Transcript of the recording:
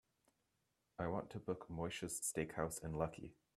I want to book Moishes Steakhouse in Lucky.